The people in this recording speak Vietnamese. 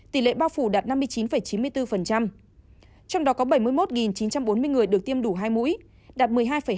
tỷ lệ bao phủ đạt năm mươi chín chín mươi bốn trong đó có bảy mươi một chín trăm bốn mươi người được tiêm đủ hai mũi đạt một mươi hai năm